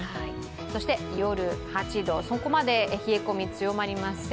そして夜８度、そこまで冷え込み強まりません。